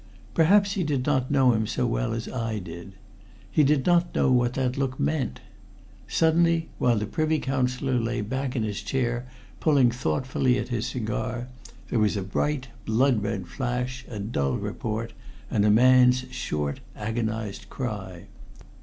Perhaps he did not know him so well as I did. He did not know what that look meant. Suddenly, while the Privy Councillor lay back in his chair pulling thoughtfully at his cigar, there was a bright, blood red flash, a dull report, and a man's short agonized cry.